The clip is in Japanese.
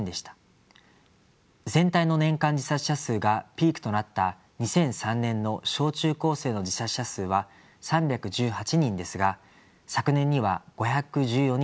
全体の年間自殺者数がピークとなった２００３年の小・中・高生の自殺者数は３１８人ですが昨年には５１４人と過去最多を記録しています。